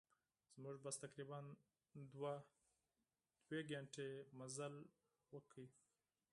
زموږ بس تقریباً دوه ساعته مزل وکړ.